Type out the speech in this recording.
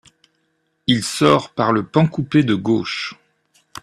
Il sort par le pan coupé de gauche.